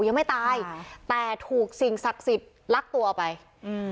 ยังไม่ตายแต่ถูกสิ่งศักดิ์สิทธิ์ลักตัวไปอืม